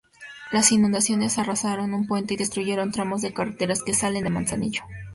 Las inundaciones arrasaron un puente y destruyeron tramos de carreteras que salen de Manzanillo.